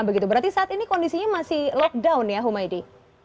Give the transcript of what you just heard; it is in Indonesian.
begitu berarti saat ini kondisinya masih lockdown ya humaydi